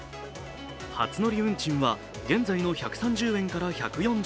初乗り運賃は現在の１３０円から１４０円。